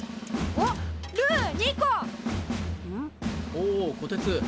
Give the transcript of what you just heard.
おおこてつ！